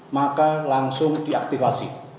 maka langsung diaktivasi